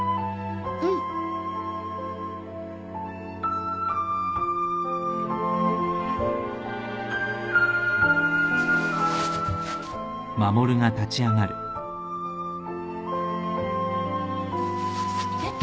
うん。えっ？